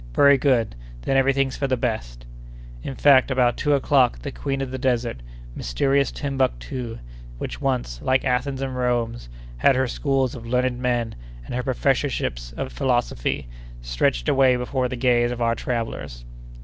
"Very good; then every thing's for the best!" In fact, about two o'clock, the Queen of the Desert, mysterious Timbuctoo, which once, like Athens and Rome, had her schools of learned men, and her professorships of philosophy, stretched away before the gaze of our travellers.